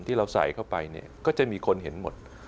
ที่เราใส่เข้าไปเนี่ยก็จะมีคนเห็นหมด